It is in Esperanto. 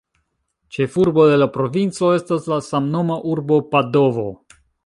Ĉefurbo de la provinco estas la samnoma urbo Padovo.